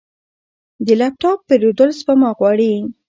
د لپ ټاپ پیرودل سپما غواړي.